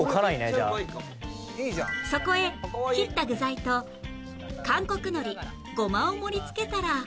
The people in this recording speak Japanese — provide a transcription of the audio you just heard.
そこへ切った具材と韓国のりごまを盛り付けたら